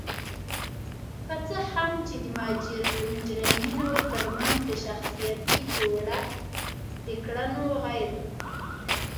که څه هم چې د مجرمینو ترمنځ د شخصیتي جوړخت د کړنو غیر